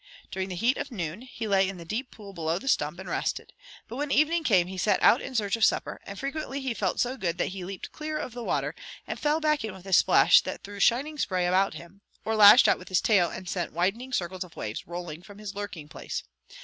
During the heat of noon he lay in the deep pool below the stump, and rested; but when evening came he set out in search of supper, and frequently he felt so good that he leaped clear of the water, and fell back with a splash that threw shining spray about him, or lashed out with his tail and sent widening circles of waves rolling from his lurking place.